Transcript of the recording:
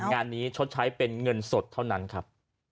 งานนี้ชดใช้เป็นเงินสดเท่านั้นครับ